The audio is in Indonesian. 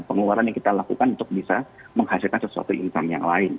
pengeluaran yang kita lakukan untuk bisa menghasilkan sesuatu income yang lain